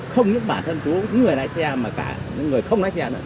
không những bản thân những người lái xe mà cả những người không lái xe nữa